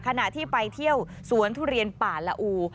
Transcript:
ขณะที่ไปเที่ยวสวนทุเรียนป่าละอู